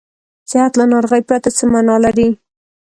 صحت له ناروغۍ پرته څه معنا لري.